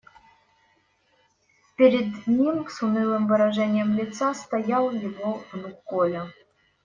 Перед ним с унылым выражением лица стоял его внук Коля.